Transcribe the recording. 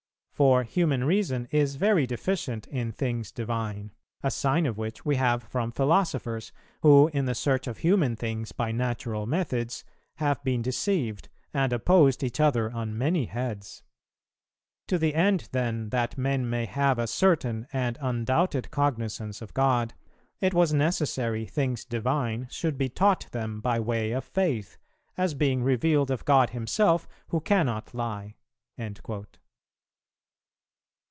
For human Reason is very deficient in things divine; a sign of which we have from philosophers, who, in the search of human things by natural methods, have been deceived, and opposed each other on many heads. To the end then that men may have a certain and undoubted cognizance of God, it was necessary things divine should be taught them by way of Faith, as being revealed of God Himself, who cannot lie.'[332:1] ....